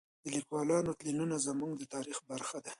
د لیکوالو تلینونه زموږ د تاریخ برخه ده.